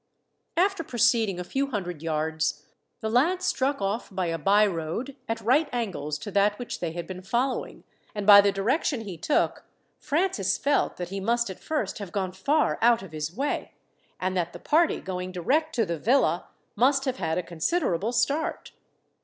After proceeding a few hundred yards, the lad struck off by a byroad at right angles to that which they had been following, and by the direction he took Francis felt that he must at first have gone far out of his way, and that the party going direct to the villa must have had a considerable start.